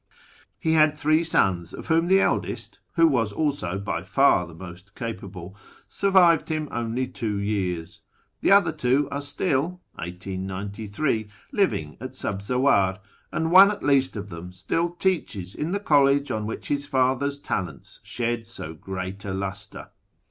He had three sons, of whom the eldest (who was also by far the most capable) survived him only two years ; the other two are still living at Sabzawar, and one at least of them still teaches in the college on which his father's talents shed so great a lustre.